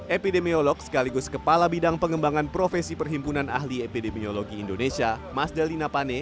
epidemiolog sekaligus kepala bidang pengembangan profesi perhimpunan ahli epidemiologi indonesia mas dalina pane